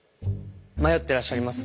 迷ってらっしゃいます？